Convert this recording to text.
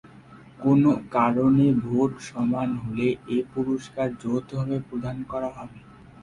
কোন কারণে ভোট সমান হলে এ পুরস্কার যৌথভাবে প্রদান করা হবে।